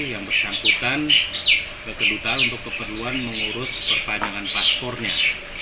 yang bersangkutan ke kedutaan untuk keperluan mengurus perpanjangan paspornya